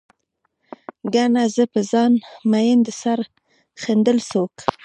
ګڼه، زه په ځان مين د سر ښندل څوک